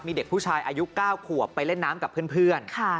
มีเด็กผู้ชายอายุ๙ขวบไปเล่นน้ำกับเพื่อน